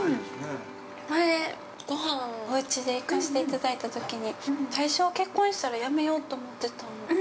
◆前、ごはん、おうちで行かせていただいたときに最初は、結婚したら辞めようと思ってたんですね？